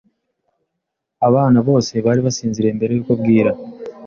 Abana bose bari basinziriye mbere yuko bwira.